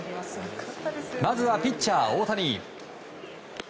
まずは、ピッチャー大谷。